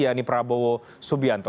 yaitu prabowo subianto